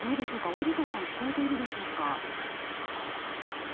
織田さん聞こえているでしょうか。